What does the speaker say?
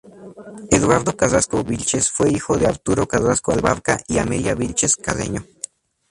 Eduardo Carrasco Vilches fue hijo de Arturo Carrasco Abarca y Amelia Vilches Carreño.